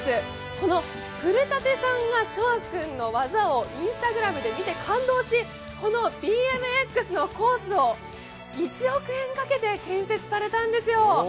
この古舘さんが翔海君の技をＩｎｓｔａｇｒａｍで見て感動し、このＢＭＸのコースを１億円かけて建設されたんですよ。